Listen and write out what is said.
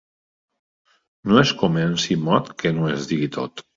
No es comenci mot que no es digui tot.